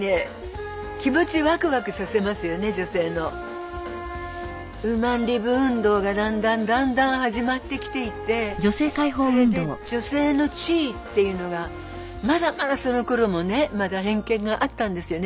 やっぱりねウーマンリブ運動がだんだんだんだん始まってきていてそれで女性の地位っていうのがまだまだそのころもねまだ偏見があったんですよね